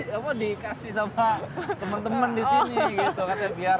cuma saya dikasih sama teman teman di sini